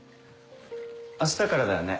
明日からだよね？